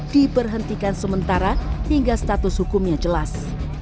diberhentikan sementara hingga status hukumnya jelas